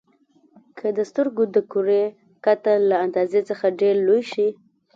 که د سترګو د کرې قطر له اندازې څخه ډېر لوی شي.